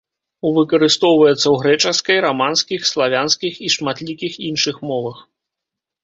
Выкарыстоўваецца ў грэчаскай, раманскіх, славянскіх і шматлікіх іншых мовах.